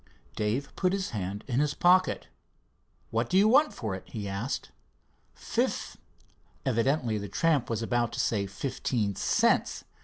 Dave put his hand in his pocket. "What do you want for it?" he asked. Evidently the tramp was about to say "fifteen cents."